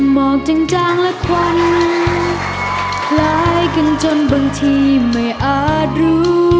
หมอกจริงจังและควันคล้ายกันจนบางทีไม่อาจรู้